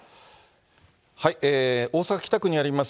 大阪・北区にあります